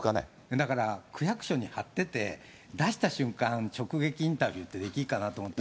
だから、区役所に張ってて、出した瞬間、直撃インタビューってできるかなと思ったの。